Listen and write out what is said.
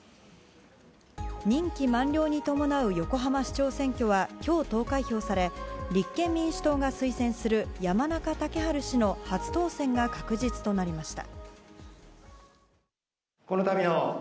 任期満了に伴う横浜市長選挙は今日、投開票され立憲民主党が推薦する山中竹春氏の初当選が確実となりました。